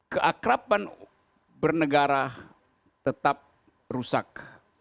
keakrapan bernegara tetap rusak